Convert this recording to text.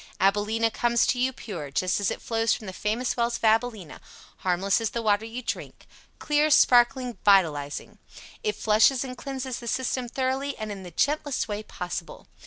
AbilenA comes to you pure just as it flows from the Famous Wells of AbilenA harmless as the water you drink clear, sparkling, vitalizing. It flushes and cleanses the system thoroughly, and in the gentlest way possible.